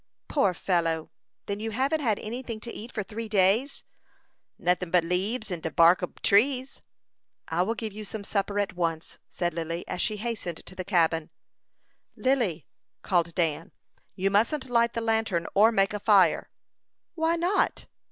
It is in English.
"Poor fellow! Then you haven't had any thing to eat for three days?" "Noting but leabes an de bark ob trees." "I will give you some supper at once," said Lily, as she hastened to the cabin. "Lily!" called Dan. "You mustn't light the lantern, or make a fire." "Why not?"